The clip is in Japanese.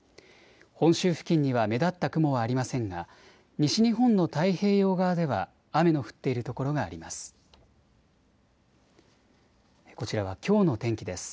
本州付近には目立った雲はありませんが西日本の太平洋側では雨の降っている所があります。